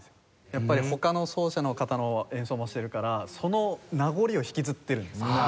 やっぱり他の奏者の方の演奏もしてるからその名残を引きずってるんですね